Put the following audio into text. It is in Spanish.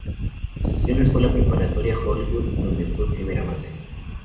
Estudió en la Escuela Preparatoria Hollywood, donde fue primera base.